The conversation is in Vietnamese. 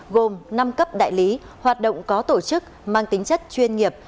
gồm năm cấp đại lý hoạt động có tổ chức mang tính chất chuyên nghiệp